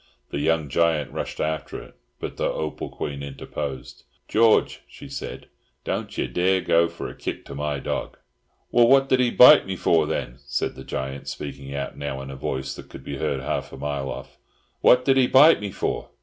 The young giant rushed after it, but the Opal Queen interposed. "George," she said, "don't ye dare go for to kick my dog!" "Well, what did he bite me for, then?" said the giant, speaking out now in a voice that could be heard half a mile off. "What did he bite me for?"